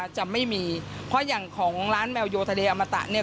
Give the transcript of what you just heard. จะไม่มีเพราะอย่างของร้านแมวโยทะเลอมตะเนี่ย